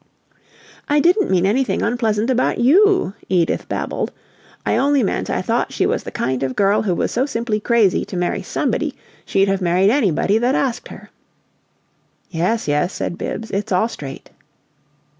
"I didn't mean anything unpleasant about YOU," Edith babbled. "I only meant I thought she was the kind of girl who was so simply crazy to marry somebody she'd have married anybody that asked her." "Yes, yes," said Bibbs, "it's all straight."